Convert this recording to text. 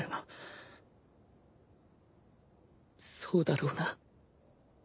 そうだろうな。